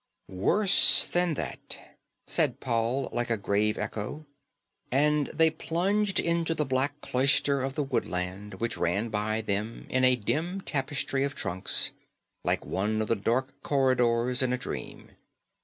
"Worse than that," said Paul like a grave echo. And they plunged into the black cloister of the woodland, which ran by them in a dim tapestry of trunks, like one of the dark corridors in a dream.